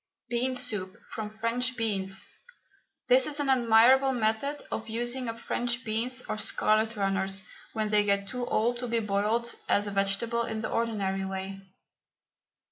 BEAN SOUP FROM FRENCH BEANS. This is an admirable method of using up French beans or scarlet runners when they get too old to be boiled as a vegetable in the ordinary way.